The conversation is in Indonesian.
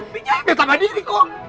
biar ga ada apa berdiri kok